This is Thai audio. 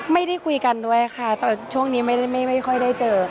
ไม่ได้คุยกันด้วยค่ะแต่ช่วงนี้ไม่ค่อยได้เจอ